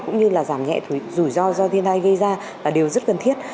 cũng như là giảm nhẹ rủi ro do thiên tai gây ra là điều rất cần thiết